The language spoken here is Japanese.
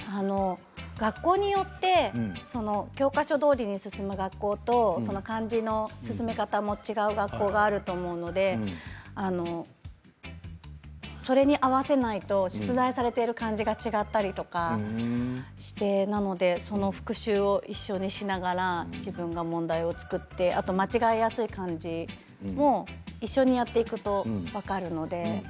学校によって教科書どおりに進む学校と漢字の進め方も違う学校があると思うのでそれに合わせないと出題されている漢字が違ったりとかしてその復習を一緒にしながら自分が問題を作って、あと間違いやすい漢字も一緒にやっていくと分かるので。